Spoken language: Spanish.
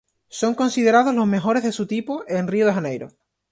Son considerados los mejores de su tipo en Río de Janeiro.